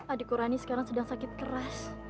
adikku rani sekarang sedang sakit keras